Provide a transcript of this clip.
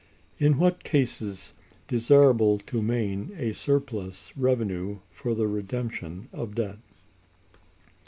In what cases desirable to maintain a surplus revenue for the redemption of Debt.